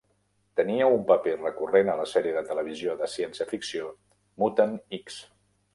Tenia un paper recurrent a la sèrie de televisió de ciència ficció "Mutant X".